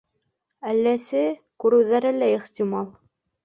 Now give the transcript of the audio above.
— Әлләсе, күреүҙәре лә ихтимал.